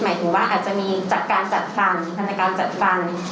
หมายถึงว่าอาจจะมีจากการจัดฟังธนกรรมจัดฟัน